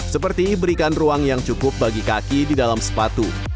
seperti berikan ruang yang cukup bagi kaki di dalam sepatu